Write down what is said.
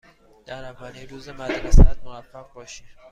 در اولین روز مدرسه ات موفق باشی.